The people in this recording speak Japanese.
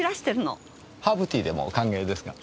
ハーブティーでも歓迎ですが。